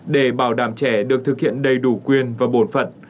để bảo đảm trẻ được thực hiện đầy đủ quyền và bổn phận